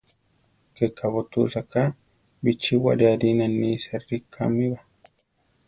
Ke kabótusa ka, bichíwari arina nisa rikámiba.